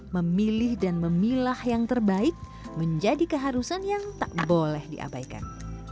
milah yang terbaik menjadi keharusan yang tak boleh diabaikan